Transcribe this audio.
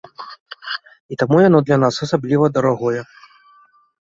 І таму яно для нас асабліва дарагое.